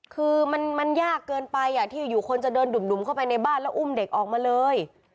คือมันยากเกินไปที่อยู่คนจะเดินดุ่มเข้าไปในบ้านแล้วอุ้มเด็กออกมาเลย